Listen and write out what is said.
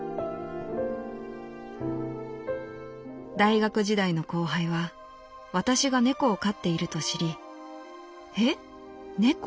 「大学時代の後輩は私が猫を飼っていると知り『え？猫？